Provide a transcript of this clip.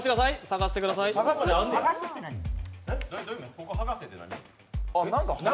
ここはがせって何？